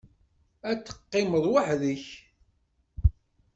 Ad teqqimeḍ weḥd-k.